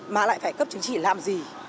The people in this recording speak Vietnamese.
mà lại phải cấp chứng chỉ làm gì